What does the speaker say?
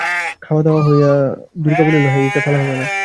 খাওয়া-দাওয়া হইয়া গেলে দুর্গা বলিল, হ্যাঁড়িটা ফেলা হবে না।